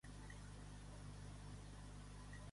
Joe crida a un metge local per venir a comprovar en banya.